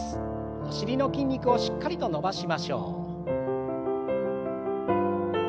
お尻の筋肉をしっかりと伸ばしましょう。